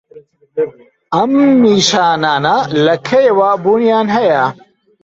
ئەم نیشانانه لە کەیەوە بوونیان هەیە؟